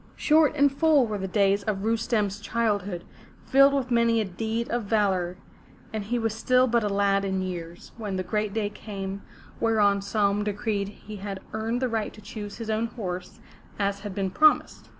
Short and full were the days of Rustem's childhood, filled with many a deed of valor, and he was still but a lad in years, when the great day came whereon Saum decreed he had earned the right to choose his own horse, as had been promised.